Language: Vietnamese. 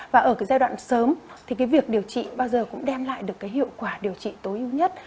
và ở giai đoạn sớm thì việc điều trị bao giờ cũng đem lại được hiệu quả điều trị tối ưu nhất